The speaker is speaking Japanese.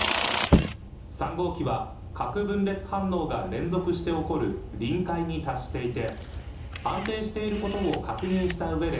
３号機は核分裂反応が連続して起こる臨界に達していて、安定していることを確認したうえで、